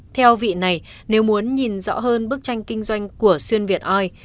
theo vị này nếu muốn nhìn rõ hơn bức tranh kinh doanh của xuyên việt oi